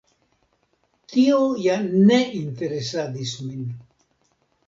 Tio ja ne interesadis min.